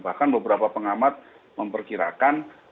bahkan beberapa pengamat memperkirakan